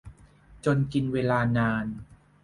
จนกินเวลานาน